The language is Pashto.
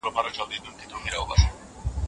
په جاینماز ناست راته پورته کړه لاسونه